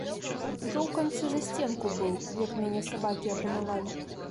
Ужо ў канцы засценку быў, як мяне сабакі апанавалі.